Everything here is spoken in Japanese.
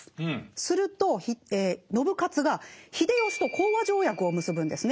すると信雄が秀吉と講和条約を結ぶんですね。